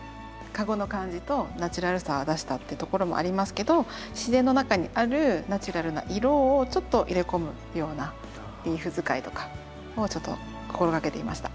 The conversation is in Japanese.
カゴの感じとナチュラルさを出したってところもありますけど自然の中にあるナチュラルな色をちょっと入れ込むようなリーフ使いとかをちょっと心掛けてみました。